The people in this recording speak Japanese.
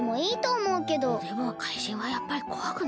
でも怪人はやっぱりこわくないと。